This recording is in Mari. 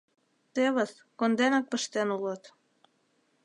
Тевыс, конденак пыштен улыт.